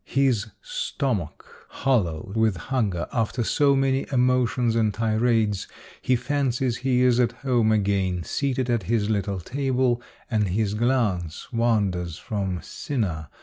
His stom ach hollow with hunger after so many emotions and tirades, he fancies he is at home again, seated at his little table, and his glance wanders from Cinna 236 Monday Tales.